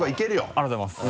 ありがとうございます。